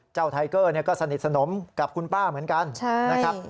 ไทเกอร์ก็สนิทสนมกับคุณป้าเหมือนกันนะครับ